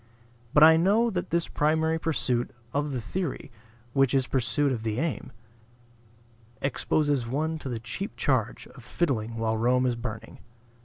But I know that this primary pursuit of the theory (which is but pursuit of the aim) exposes one to the cheap charge of fiddling while Rome is burning.